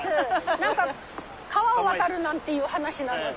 何か川を渡るなんていう話なので。